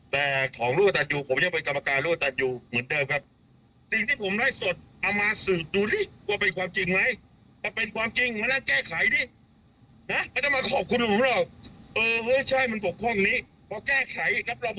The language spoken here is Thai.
แต่ของลูกตัดอยู่ผมยังเป็นกรรมการรูปตัดอยู่เหมือนเดิมครับ